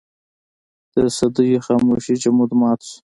د صدېو خاموشۍ جمود مات شو.